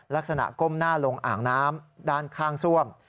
ก้มหน้าลงอ่างน้ำด้านข้างซ่วม